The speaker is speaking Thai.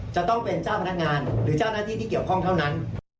จะต้องเป็นเจ้าพนักงานหรือเจ้าหน้าที่ที่เกี่ยวข้องเท่านั้น